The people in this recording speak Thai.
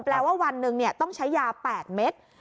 ว่าวันหนึ่งต้องใช้ยา๘เม็ด